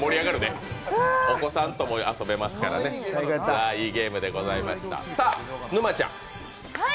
お子さんとも遊べますからねいいゲームでございました。